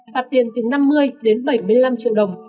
phạt tiền từ năm mươi đến bảy mươi năm triệu đồng